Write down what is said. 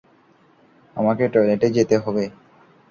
আমাকে টয়লেটে যেতে হবে।